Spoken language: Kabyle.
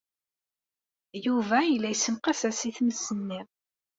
Yuba yella yessenqas-as i tmes-nni.